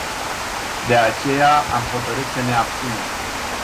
De aceea, am hotărât să ne abținem.